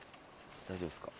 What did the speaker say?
大丈夫ですか？